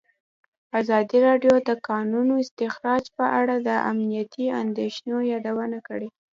ازادي راډیو د د کانونو استخراج په اړه د امنیتي اندېښنو یادونه کړې.